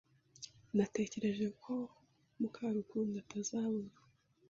Natekereje ko Mukarukundo atazabona